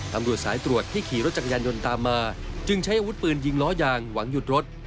ตำรวจสายตรวจที่ขี่รถจักรยานยนต์ตามมาจึงใช้อาวุธปืนยิงล้อยางหวังหยุดรถ